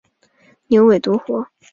牛尾独活